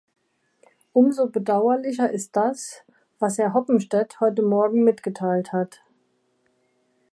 Um so bedauerlicher ist das, was Herr Hoppenstedt heute morgen mitgeteilt hat.